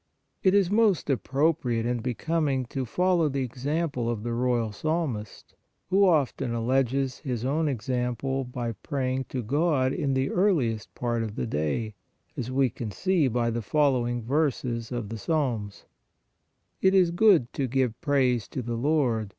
It is most appropriate and becoming to follow the example of the royal psalmist, who often alleges his own example of praying to God in the earliest part of the day, as we can see by the following verses of the psalms :" It is good to give praise to the Lord